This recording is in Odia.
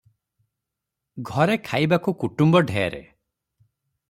ଘରେ ଖାଇବାକୁ କୁଟୁମ୍ବ ଢେର ।